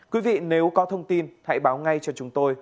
quý vị nếu có thông tin hãy báo ngay cho chúng tôi